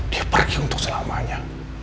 dia pergi untuk selamanya